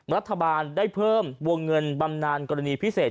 รัฐบาลได้เพิ่มวงเงินบำนานกรณีพิเศษ